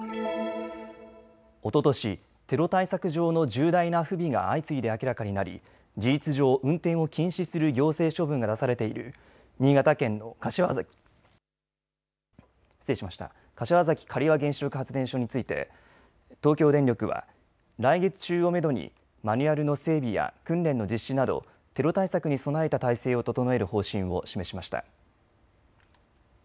おととしテロ対策上の重大な不備が相次いで明らかになり事実上運転を禁止する行政処分が出されている新潟県の柏崎刈羽原子力発電所について東京電力は来月中をめどにマニュアルの整備や訓練の実施などテロ対策に備えた体制を整える方針を示しました。